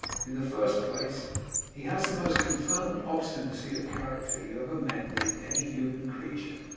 In the first place, he has the most confirmed obstinacy of character you ever met with in any human creature.